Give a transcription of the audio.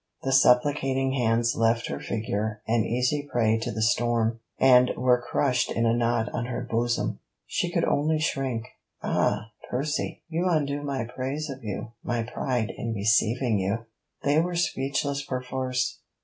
The supplicating hands left her figure an easy prey to the storm, and were crushed in a knot on her bosom. She could only shrink. 'Ah! Percy.. you undo my praise of you my pride in receiving you.' They were speechless perforce.